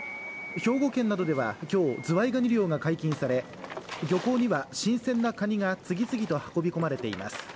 兵庫県などでは今日、ズワイガニ漁が解禁され、漁港には新鮮なカニが次々と運び込まれています。